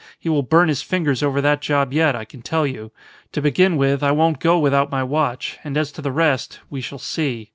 He will burn his fingers over that job yet, I can tell you. To begin with, I won't go without my watch, and as to the rest we shall see.